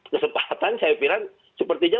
kesempatan saya pikirkan sepertinya